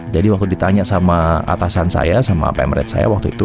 jadi waktu ditanya sama atasan saya sama pemerintah saya waktu itu